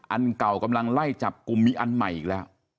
อันเก่ากำลังไล่จับกลุ่มมีอันใหม่อีกแล้ว